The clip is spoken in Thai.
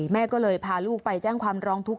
แม่ก็เลยพาลูกไปแจ้งความร้องทุกข